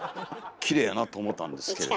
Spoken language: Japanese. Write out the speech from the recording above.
きれいやなと思たんですけれど。